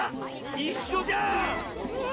いっしょじゃん！